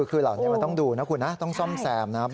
คือเหล่านี้มันต้องดูนะคุณนะต้องซ่อมแซมนะ